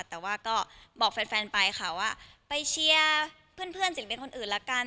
แต่ว่าก็บอกแฟนไปค่ะว่าไปเชียร์เพื่อนศิลปินคนอื่นละกัน